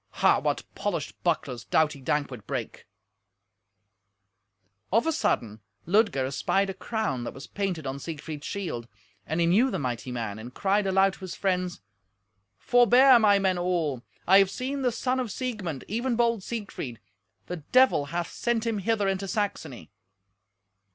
Ha! what polished bucklers doughty Dankwart brake! Of a sudden Ludger espied a crown that was painted on Siegfried's shield, and he knew the mighty man, and cried aloud to his friends, "Forbear, my men all. I have seen the son of Siegmund, even bold Siegfried. The Devil hath sent him hither into Saxony."